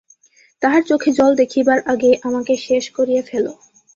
তাহার চোখে জল দেখিবার আগে আমাকে শেষ করিয়া ফেলো।